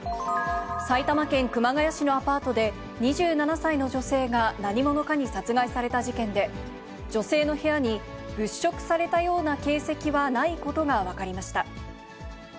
埼玉県熊谷市のアパートで、２７歳の女性が何者かに殺害された事件で、女性の部屋に物色されたような形跡はないことが分かりました。